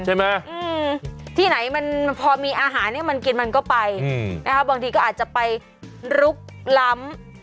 ใช่ไหมที่ไหนมันพอมีอาหารให้มันกินมันก็ไปนะคะบางทีก็อาจจะไปลุกล้ำ